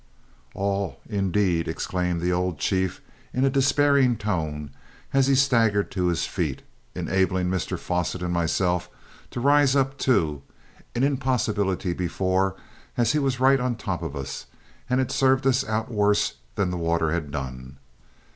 "All, indeed!" exclaimed the old chief in a despairing tone as he staggered to his feet, enabling Mr Fosset and myself to rise up too an impossibility before, as he was right on top of us, and had served us out worse than the water had done.